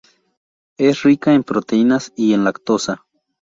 Es rica en proteínas y en lactosa.